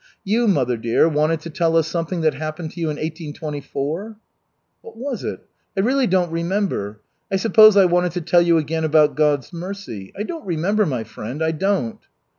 You, mother dear, wanted to tell us something that happened to you in 1824?" "What was it? I really don't remember. I suppose I wanted to tell you again about God's mercy. I don't remember, my friend, I don't."